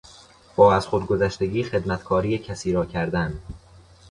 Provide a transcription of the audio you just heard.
با از خودگذشتگی خدمتکاری کسی را کردن